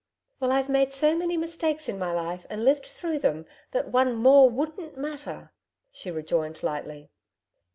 'Well, I've made so many mistakes in my life and lived through them that one more wouldn't matter,' she rejoined lightly.